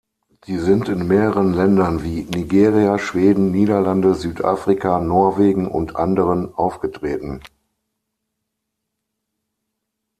Sie sind in mehreren Ländern wie Nigeria, Schweden, Niederlande, Südafrika, Norwegen und anderen aufgetreten.